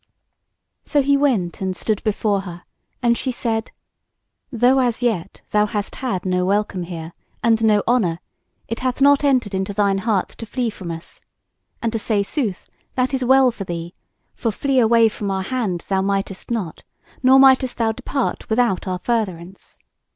So he went and stood before her, and she said: "Though as yet thou hast had no welcome here, and no honour, it hath not entered into thine heart to flee from us; and to say sooth, that is well for thee, for flee away from our hand thou mightest not, nor mightest thou depart without our furtherance.